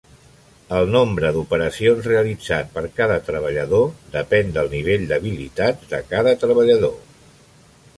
El nombre d'operacions realitzat per cada treballador depèn del nivell d'habilitats de cada treballador.